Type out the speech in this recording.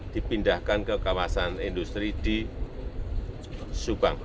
dipindahkan ke kawasan industri di subang